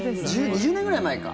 ２０年ぐらい前か。